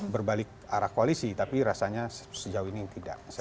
berbalik arah koalisi tapi rasanya sejauh ini tidak